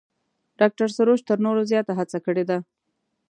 ډاکتر سروش تر نورو زیات هڅه کړې ده.